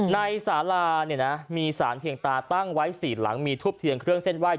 สาราเนี่ยนะมีสารเพียงตาตั้งไว้๔หลังมีทุบเทียนเครื่องเส้นไหว้